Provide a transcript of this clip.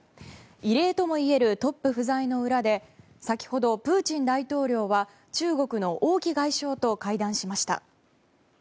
異例ともいえるトップ不在の裏で先ほどプーチン大統領は中国の王毅外相と会談しました。